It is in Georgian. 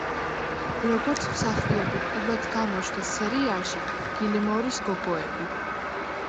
როგორც მსახიობი პირველად გამოჩნდა სერიალში „გილმორის გოგოები“.